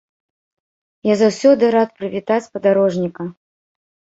Я заўсёды рад прывітаць падарожніка.